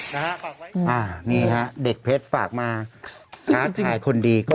นะฮะฝากไว้อ่านี่ฮะเด็กเพชรฝากมาค่ะคนดีก็มีกับแพ้เขา